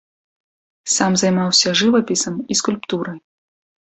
Сам займаўся жывапісам і скульптурай.